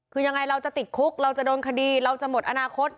คือยังไงเราจะติดคุกเราจะโดนคดีเราจะหมดอนาคต